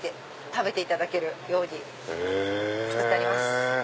食べていただけるように作ってあります。